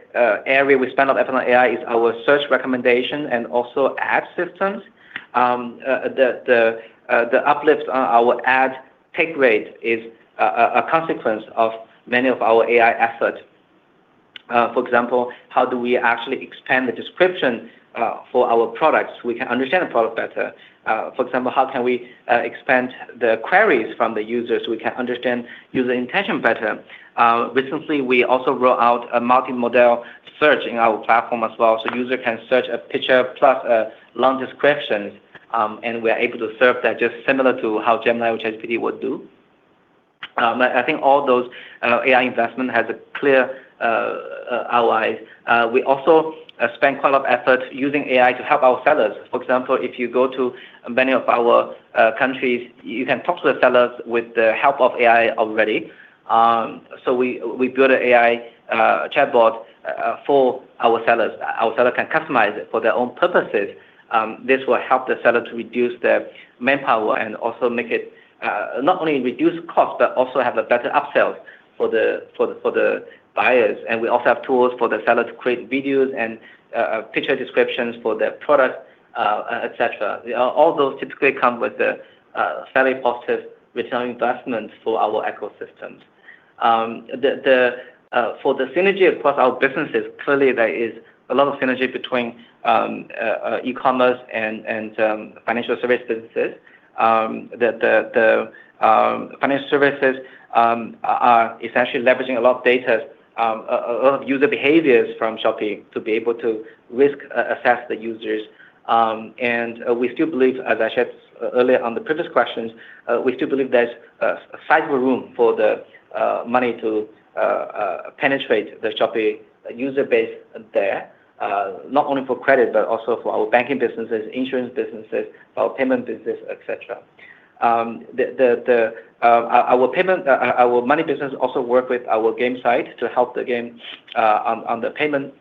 areas we spend effort on AI is our search recommendation and also ad systems. Ad take rate is a consequence of many of our AI efforts. For example, how do we actually expand the description for our products? We can understand the product better. For example, how can we expand the queries from the users? We can understand user intention better. Recently, we also roll out a multi-model search in our platform as well, so user can search a picture plus a long descriptions, and we are able to serve that just similar to how Gemini or ChatGPT would do. I think all those AI investment has a clear ROI. We also spend quite a lot of effort using AI to help our sellers For example, if you go to many of our countries, you can talk to the sellers with the help of AI already. We build an AI chatbot for our sellers. Our seller can customize it for their own purposes. This will help the seller to reduce their manpower and also make it not only reduce cost, but also have a better upsells for the buyers. We also have tools for the seller to create videos and picture descriptions for their product, et cetera. All those typically come with a fairly positive ROI for our ecosystems. For the synergy across our businesses, clearly there is a lot of synergy between e-commerce and financial service businesses. The financial services are essentially leveraging a lot of data, a lot of user behaviors from Shopee to be able to risk assess the users. We still believe, as I said earlier on the previous questions, we still believe there's sizable room for the money to penetrate the Shopee user base there, not only for credit, but also for our banking businesses, insurance businesses, our payment business, et cetera. Our payment, our money business also work with our game side to help the game on the payment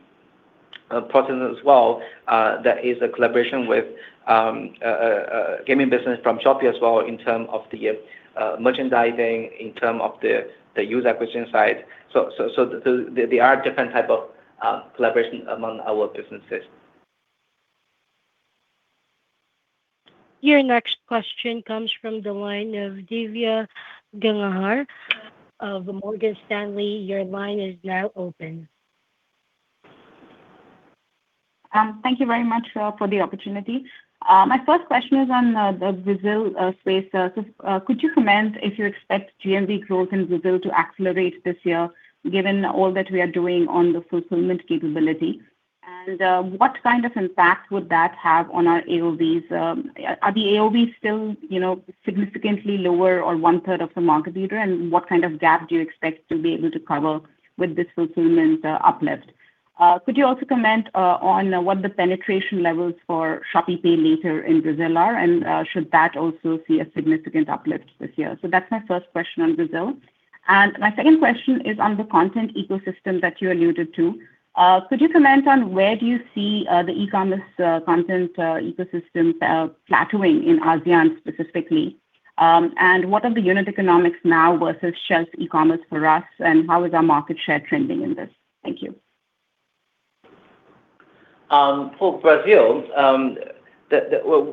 process as well. That is a collaboration with a gaming business from Shopee as well in terms of the merchandising, in terms of the user acquisition side. There are different type of collaboration among our businesses. Your next question comes from the line of Divya Gangahar of Morgan Stanley. Your line is now open. Thank you very much for the opportunity. My first question is on the Brazil space. Could you comment if you expect GMV growth in Brazil to accelerate this year given all that we are doing on the fulfillment capability? What kind of impact would that have on our AOVs? Are the AOV still, you know, significantly lower or 1/3 of the market leader? What kind of gap do you expect to be able to cover with this fulfillment uplift? Could you also comment on what the penetration levels for Shopee Pay later in Brazil are, and should that also see a significant uplift this year? That's my first question on Brazil. My second question is on the content ecosystem that you alluded to. Could you comment on where do you see the e-commerce content ecosystem plateauing in ASEAN specifically? What are the unit economics now versus just e-commerce for us, and how is our market share trending in this? Thank you. For Brazil,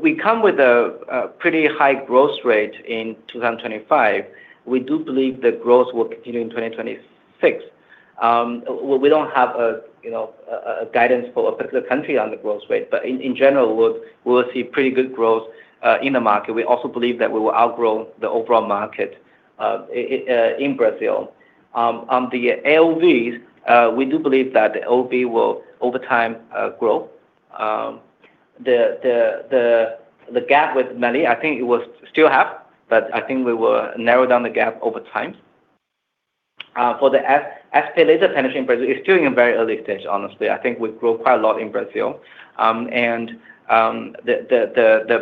we come with a pretty high growth rate in 2025. We do believe the growth will continue in 2026. We don't have a, you know, a guidance for a particular country on the growth rate, but in general, we'll see pretty good growth in the market. We also believe that we will outgrow the overall market in Brazil. On the AOV, we do believe that the AOV will over time grow. The gap with many, I think it will still have, but I think we will narrow down the gap over time. For the SPayLater penetration in Brazil, it's still in a very early stage, honestly. I think we've grown quite a lot in Brazil. The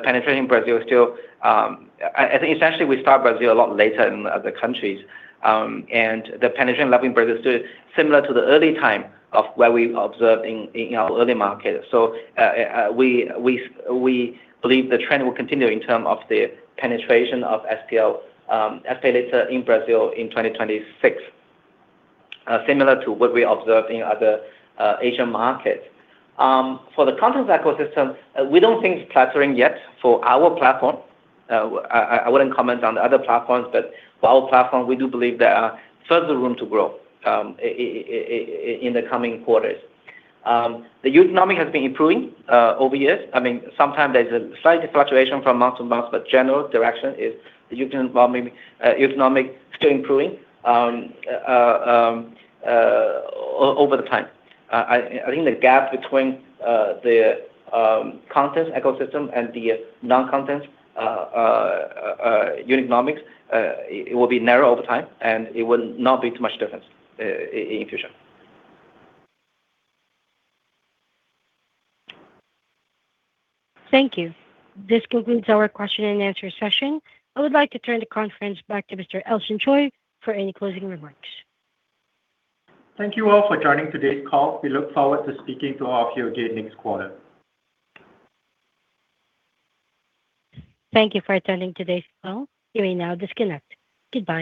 penetration in Brazil is still. I think essentially we start Brazil a lot later than other countries. The penetration level in Brazil is still similar to the early time of where we observed in our early market. The trend will continue in term of the penetration of SPL, SPayLater in Brazil in 2026, similar to what we observed in other Asian markets. For the content ecosystem, we don't think it's plateauing yet for our platform. I wouldn't comment on the other platforms, but for our platform, we do believe there are further room to grow in the coming quarters. The unit economic has been improving over years. I mean, sometimes there's a slight fluctuation from month to month, but general direction is the unit economic still improving over the time. I think the gap between the content ecosystem and the non-content unit economics, it will be narrow over time, and it will not be too much difference in future. Thank you. This concludes our question and answer session. I would like to turn the conference back to Mr. Elson Choi for any closing remarks. Thank you all for joining today's call. We look forward to speaking to all of you again next quarter. Thank you for attending today's call. You may now disconnect. Goodbye.